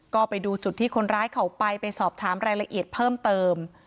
ก็ไปดูจุดที่คนร้ายเขาไปไปสอบถามรายละเอียดเพิ่มเติม